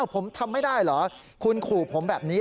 ผมทำไม่ได้เหรอคุณขู่ผมแบบนี้